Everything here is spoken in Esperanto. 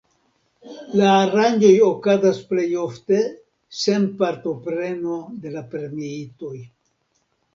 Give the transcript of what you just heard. La aranĝoj okazas plej ofte sen partopreno de la premiitoj.